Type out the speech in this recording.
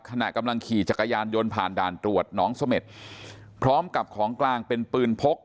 ขณะกำลังขี่จักรยานยนต์ผ่านด่านตรวจน้องเสม็ดพร้อมกับของกลางเป็นปืนพก